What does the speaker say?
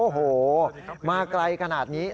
โอ้โหมาไกลขนาดนี้